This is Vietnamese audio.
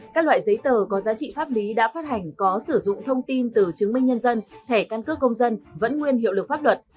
các loại giấy tờ có giá trị pháp lý đã phát hành có sử dụng thông tin từ chứng minh nhân dân thẻ căn cước công dân vẫn nguyên hiệu lực pháp luật